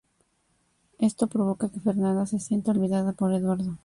Esto provoca que Fernanda se sienta olvidada por Eduardo.